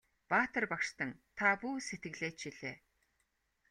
Баатар багштан та бүү сэтгэлээ чилээ!